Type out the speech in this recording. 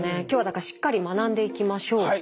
今日はだからしっかり学んでいきましょう。